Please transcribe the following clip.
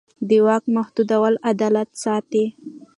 د واک محدودول عدالت ساتي